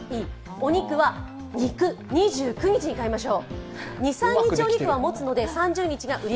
お肉は２９日に買いましょう。